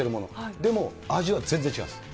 でも味は全然違います。